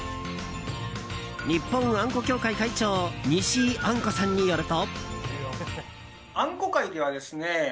日本あんこ協会会長にしいあんこさんによると。